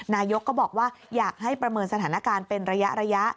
นายกก็บอกว่าอยากให้ประเมินสถานการณ์เป็นระยะ